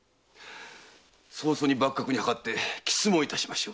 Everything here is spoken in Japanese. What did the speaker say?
早々に幕閣に諮って詰問いたしましょう。